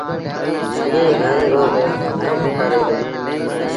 ائيٚݩ گھر رو با ڪم ڪري دو۔